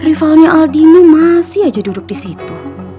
rivalnya aldino masih aja duduk disitu